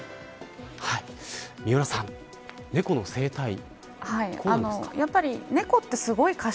三浦さん、猫の生態どうですか。